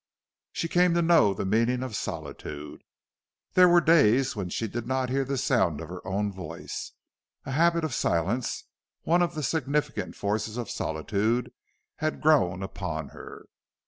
She came to know the meaning of solitude. There were days when she did not hear the sound of her own voice. A habit of silence, one of the significant forces of solitude, had grown upon her.